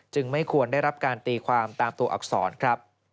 ไม่ควรได้รับการตีความตามตัวอักษรครับ